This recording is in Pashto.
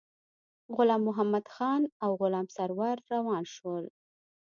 غلام محمدخان او غلام سرور روان شول.